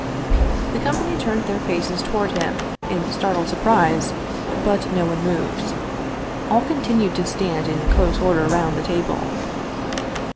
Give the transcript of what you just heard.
The company turned their faces toward him in startled surprise, but no one moved. All continued to stand in close order round the table.